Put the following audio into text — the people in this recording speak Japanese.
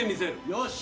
よし！